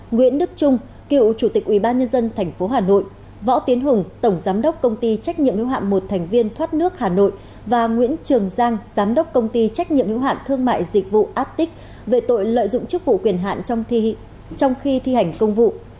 nguyễn đức trung cựu chủ tịch ủy ban nhân dân thành phố hà nội võ tiến hùng tổng giám đốc công ty trách nhiệm hữu hạn một thành viên thoát nước hà nội và nguyễn trường giang giám đốc công ty trách nhiệm hữu hạn thương mại dịch vụ arctic về tội lợi dụng chức vụ quyền hạn trong khi thi hành công vụ